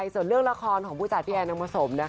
ส่วนเรื่องละครของผู้จัดพี่แอนนำผสม